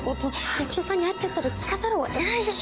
役者さんに会っちゃったら聞かざるを得ないじゃないですか！